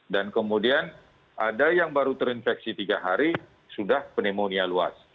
dan kemudian ada yang baru terinfeksi tiga hari sudah pneumonia luas